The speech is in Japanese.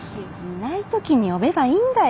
いないときに呼べばいいんだよねっ。